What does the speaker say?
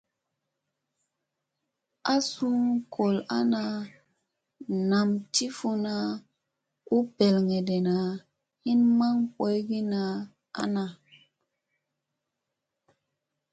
A su gol ana nam ti funa u peleŋgeɗena, hin maŋ boyogina ana.